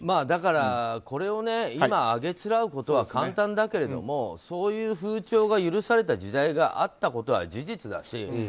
だから、これを今あげつらうことは簡単だけれどもそういう風潮が許された時代があったことは事実だし。